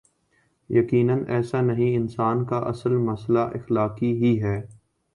یقینا ایسا نہیں انسان کا اصل مسئلہ اخلاقی ہی ہے۔